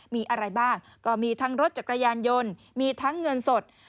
มีอะไรบ้างก็มีทั้งรถจักรยานยนต์มีทั้งเงินสด